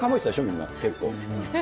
みんな、結構。